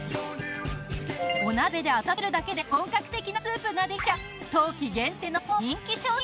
お鍋で温めるだけで本格的なスープができちゃう冬季限定の超人気商品。